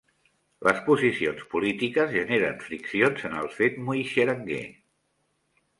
Les posicions polítiques generen friccions en el fet muixeranguer.